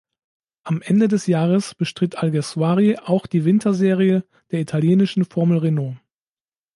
Am Ende des Jahres bestritt Alguersuari auch die Winterserie der italienischen Formel Renault.